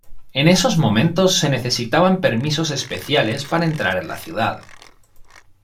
En esos momentos se necesitaban permisos especiales para entrar en la ciudad.